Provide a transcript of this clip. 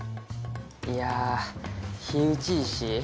いや火打ち石？